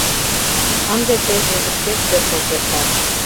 Ынде тый мӧҥгышкет пӧртыл кертат…